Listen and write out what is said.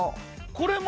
これも？